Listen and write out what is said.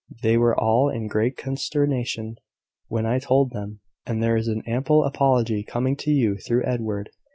They were all in great consternation when I told them, and there is an ample apology coming to you through Edward.